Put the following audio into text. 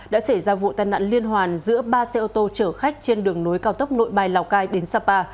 đã xảy ra vụ tai nạn liên hoàn giữa ba xe ô tô chở khách trên đường nối cao tốc nội bài lào cai đến sapa